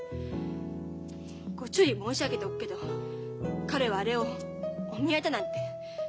ご注意申し上げておくけど彼はあれをお見合いだなんて思ってないんだから。